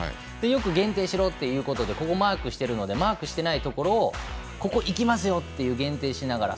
よく限定しろということでここ、マークしてるのでマークしてないところをここ行きますよという限定しながら。